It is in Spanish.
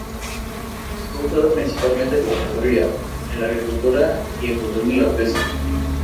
Fue usado principalmente como patrulla, en la agricultura y en control de la pesca.